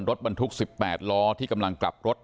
รถบรรทุก๑๘ล้อที่กำลังกลับรถ